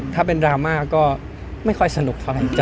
ถ้าเป็นดราม่าก็ไม่ค่อยสนุกเท่าไหร่